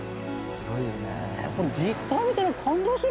すごいよね。